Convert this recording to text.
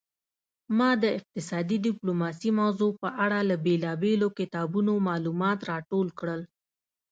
ما د اقتصادي ډیپلوماسي موضوع په اړه له بیلابیلو کتابونو معلومات راټول کړل